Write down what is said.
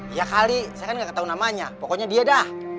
iya kali saya kan gak tau namanya pokoknya dia dah